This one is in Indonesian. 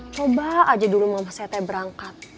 coba aja dulu mama saya teh berangkat